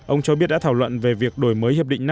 ông cho biết đã thảo luận về việc đổi mới hiệp định năm